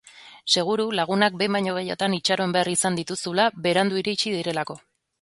Seguru lagunak behin baino gehiagotan itxaron behar izan dituzula berandu iritsi direlako.